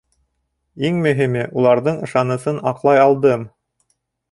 Иң мөһиме — уларҙың ышанысын аҡлай алдым.